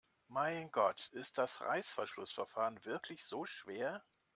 Mein Gott, ist das Reißverschlussverfahren wirklich so schwer?